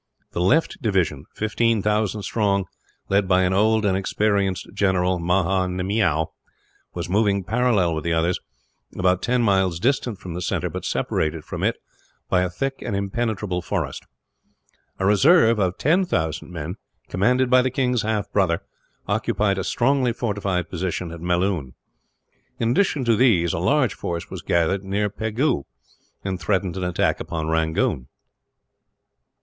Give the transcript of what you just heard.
The left division 15,000 strong, led by an old and experienced general, Maha Nemiow was moving parallel with the others, about ten miles distant from the centre, but separated from it by a thick and impenetrable forest. A reserve of 10,000 men, commanded by the king's half brother, occupied a strongly fortified post at Melloon. In addition to these, a large force was gathered near Pegu, and threatened an attack upon Rangoon.